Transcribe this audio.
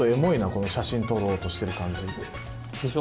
この写真撮ろうとしてる感じ。でしょ。